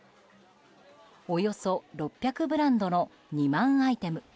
およそ６００ブランドの２万アイテム